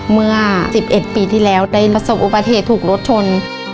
เมื่อ๑๑ปีที่แล้วได้ประสบอุบัติเหตุถูกรถชน